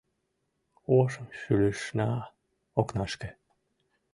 Ошымшӱлышна — окнашке.